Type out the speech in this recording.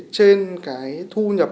trên cái thu nhập